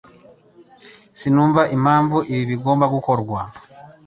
Sinumva impamvu ibi bigomba gukorwa.